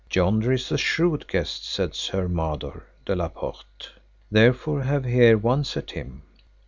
Yonder is a shrewd guest, said Sir Mador de la Porte, therefore have here once at him.